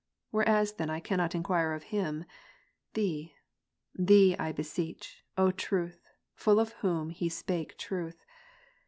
Whereas then I cannot enquire of him, Thee, Thee I beseech, O Truth, full of Whom he spake truth.